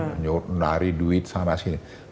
menari duit sana sini